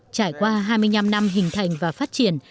trải qua hai mươi năm năm hình thành và phát triển